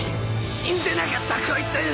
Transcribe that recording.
死んでなかったこいつ！